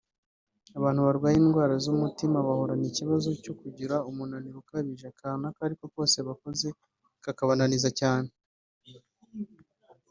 Abantu barwaye indwara z’umutima bahorana ikibazo cyo kugira umunaniro ukabije akantu ako ariko kose bakoze kakabananiza cyane